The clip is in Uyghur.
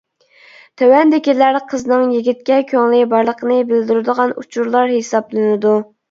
تۆۋەندىكىلەر قىزنىڭ يىگىتكە كۆڭلى بارلىقىنى بىلدۈرىدىغان ئۇچۇرلار ھېسابلىنىدۇ.